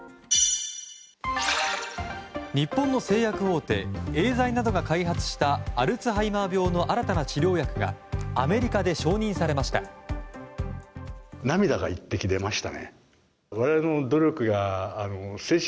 日本の製薬大手エーザイなどが開発したアルツハイマー病の新たな治療薬がアメリカで承認されました。